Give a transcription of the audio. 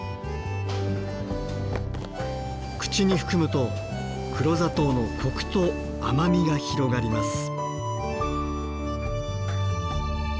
口に含むと黒砂糖のコクと甘みが広がります。